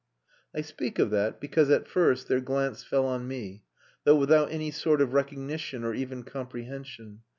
I speak of that, because, at first, their glance fell on me, though without any sort of recognition or even comprehension.